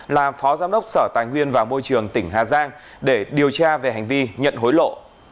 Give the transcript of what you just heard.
là phó giám đốc sở tài nguyên và môi trường tỉnh hà giang để điều tra về hành vi nhận hối lộ